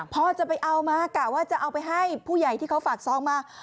พ่อจะไปเอามากะว่าจะเอาไปให้ผู้ใหญ่ที่เขาฝากซองมา